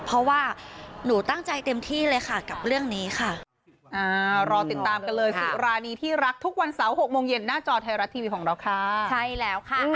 เพราะว่าหนูตั้งใจเต็มที่เลยค่ะกับเรื่องนี้ค่ะ